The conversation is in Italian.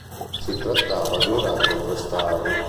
Si trattava di un razzo a tre stadi.